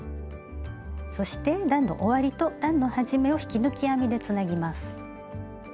そして段の終わりと段の始めを引き抜き編みでつなぎます。